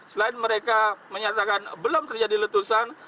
selain mereka menyatakan belum terjadi letusan